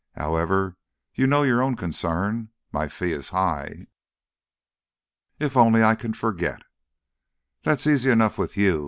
However, you know your own concern. My fee is high." "If only I can forget " "That's easy enough with you.